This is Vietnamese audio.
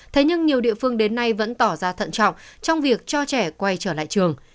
thế nhưng nhiều địa phương đến nay vẫn tỏ ra thận trọng trong việc cho trẻ quay trở lại trường